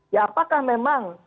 ya apakah memang